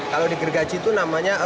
kalau di gergaji itu namanya